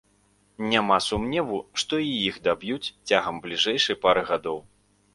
Няма сумневу, што і іх даб'юць цягам бліжэйшай пары гадоў.